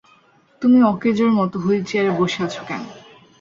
তুমি অকেজোর মতো হুইলচেয়ারে বসে আছ কেন?